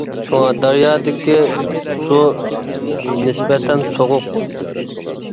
شۇڭا دەريادىكى سۇ نىسبەتەن سوغۇق بولىدۇ.